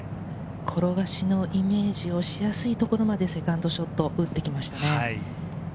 転がしのイメージをしやすい所にセカンドショットを打ってきましたね。